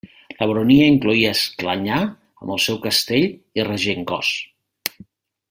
La baronia incloïa Esclanyà amb el seu castell i Regencós.